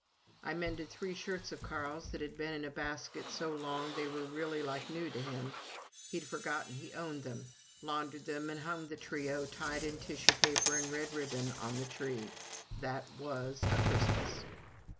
I mended three shirts of Carl's that had been in my basket so long they were really like new to him, he'd forgotten he owned them! laundered them, and hung the trio, tied in tissue paper and red ribbon, on the tree. That was a Christmas!